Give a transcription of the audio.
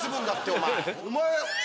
お前！